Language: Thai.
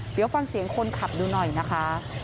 เดี๋ยวฟังเสียงคนขับดูหน่อยนะคะ